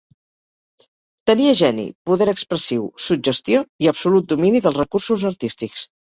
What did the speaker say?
Tenia geni, poder expressiu, suggestió i absolut domini dels recursos artístics.